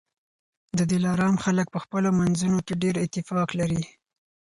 د دلارام خلک په خپلو منځونو کي ډېر اتفاق لري